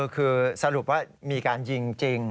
คือสรุปว่ามีการยิงจริง